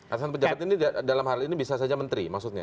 alasan pejabat ini dalam hal ini bisa saja menteri maksudnya